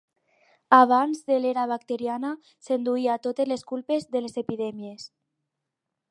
Abans de l'era bacteriana, s'enduia totes les culpes de les epidèmies.